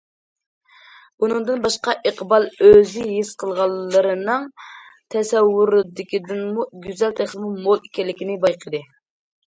بۇنىڭدىن باشقا، ئىقبال« ئۆزى ھېس قىلغانلىرىنىڭ تەسەۋۋۇرىدىكىدىنمۇ گۈزەل، تېخىمۇ مول» ئىكەنلىكىنى بايقىدى.